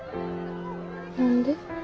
何で？